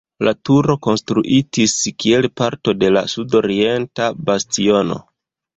La turo konstruitis kiel parto de la sudorienta bastiono.